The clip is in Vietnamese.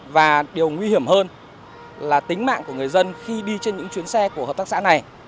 và điều nguy hiểm hơn là tính mạng của người dân khi đi trên những chuyến xe của hợp tác xã này